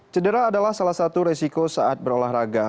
cedera adalah salah satu resiko saat berolahraga